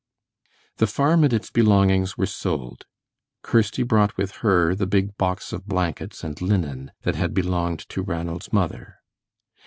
The farm and its belongings were sold. Kirsty brought with her the big box of blankets and linen that had belonged to Ranald's mother.